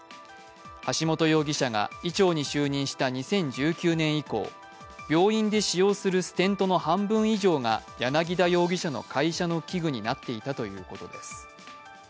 橋本容疑者が医長に就任した２０１９年以降、病院で使用するステントの半分以上が柳田容疑者の会社の器具になっていたということです。